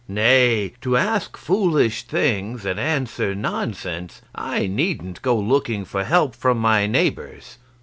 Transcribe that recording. Nay! to ask foolish things and answer nonsense I needn't go looking for help from my neighbours."